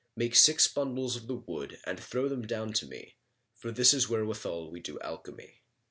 Make six bundles of the wood and throw them down to me, for this is wherewithal we do alchemy."